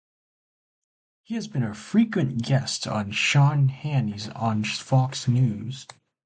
He has been a frequent guest of Sean Hannity on Fox News.